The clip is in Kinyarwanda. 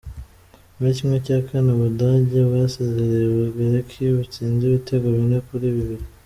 Muri ¼, Ubudage bwasezereye Ubugereki butsinze ibitego bine kuri bibiri.